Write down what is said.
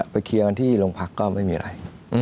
ไปเคียงอาณาที่ลงพักก็ไม่มีอะไร